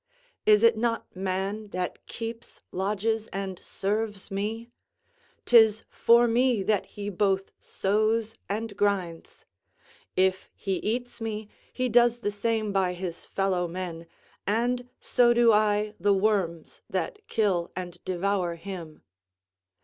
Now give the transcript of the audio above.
Is it not man that keeps, lodges, and serves me? 'Tis for me that he both sows and grinds; if he eats me he does the same by his fellow men, and so do I the worms that kill and devour him."